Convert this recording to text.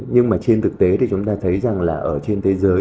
nhưng mà trên thực tế thì chúng ta thấy rằng là ở trên thế giới